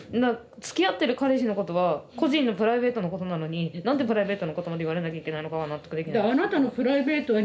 つきあってる彼氏のことは個人のプライベートなことなのに何でプライベートなことまで言われなきゃいけないのかが納得できないです。